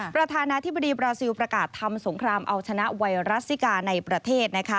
ประธานาธิบดีบราซิลประกาศทำสงครามเอาชนะไวรัสซิกาในประเทศ